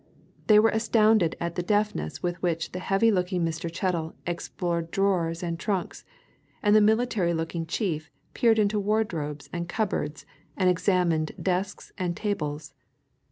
They were astounded at the deftness with which the heavy looking Mr. Chettle explored drawers and trunks, and the military looking chief peered into wardrobes and cupboards and examined desks and tables.